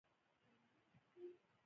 ځکه هغه خپل توکي مخکې ترلاسه کړي وو